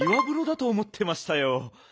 ぶろだとおもってましたよ。